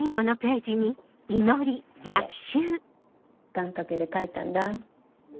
願掛けで書いたんだ。